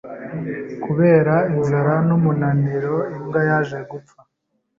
Kubera inzara n'umunaniro, imbwa yaje gupfa.